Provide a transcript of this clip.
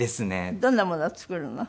どんなものを作るの？